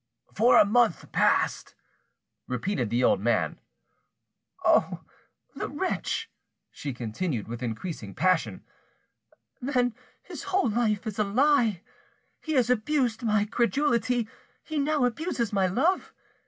"For a month past," repeated the old man. "Oh! the wretch," she continued, with increasing passion; "then his whole life is a lie! He has abused my credulity, he now abuses my love!